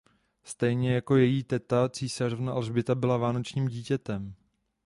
Stejně jako její teta císařovna Alžběta byla "vánočním dítětem".